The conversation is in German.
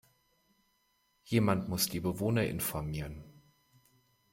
Jemand muss die Bewohner informieren.